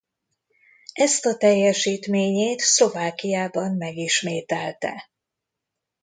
Ezt a teljesítményét Szlovákiában megismételte.